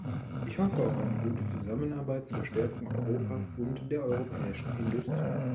Ich hoffe auf eine gute Zusammenarbeit zur Stärkung Europas und der europäischen Industrie.